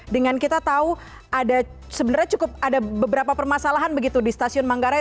dengan kita tahu ada sebenarnya cukup ada beberapa permasalahan begitu di stasiun manggarai